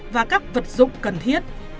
và các vật dụng cần thiết